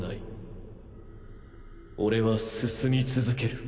オレは進み続ける。